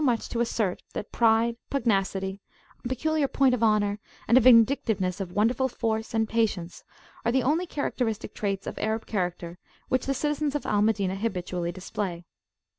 19] much to assert that pride, pugnacity, a peculiar point of honour and a vindictiveness of wonderful force and patience, are the only characteristic traits of Arab character which the citizens of Al Madinah habitually display.